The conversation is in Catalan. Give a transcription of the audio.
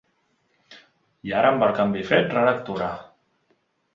I ara, amb el canvi fet, relectura.